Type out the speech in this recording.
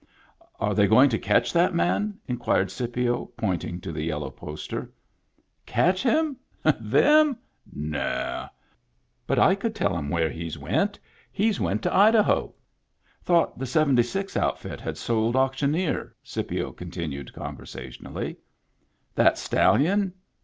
" Are they going to catch that man ?" inquired Scipio, pointing to the yellow poster. " Catch him ? Them ? No ! But I could tell 'em where he's went. He's went to Idaho." " Thought the '76 outfit had sold Auctioneer," Scipio continued conversationally. "That stallion?